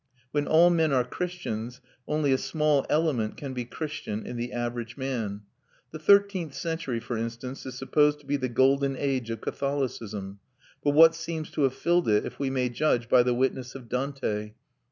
When all men are Christians only a small element can be Christian in the average man. The thirteenth century, for instance, is supposed to be the golden age of Catholicism; but what seems to have filled it, if we may judge by the witness of Dante?